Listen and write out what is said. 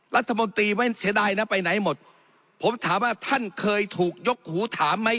รัฐมนตรีไม่เสียดายนะไปไหนหมดผมถามว่าท่านเคยถูกยกหูถามไหม